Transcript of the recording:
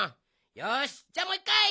よしじゃあもういっかい！